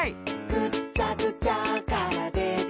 「ぐっちゃぐちゃからでてきたえ」